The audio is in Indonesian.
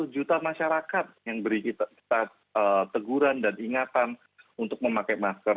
satu juta masyarakat yang beri kita teguran dan ingatan untuk memakai masker